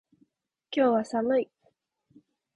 今日は寒い。